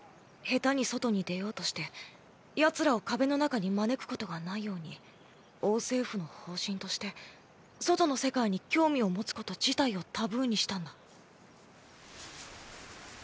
下手に外に出ようとしてヤツらを壁の中に招くことがないように王政府の方針として外の世界に興味を持つこと自体をタブーにしたんだ。